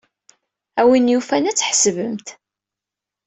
A win yufan ad tḥebsemt.